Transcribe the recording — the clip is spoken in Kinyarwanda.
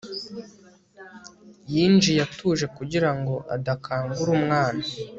yinjiye atuje kugira ngo adakangura umwana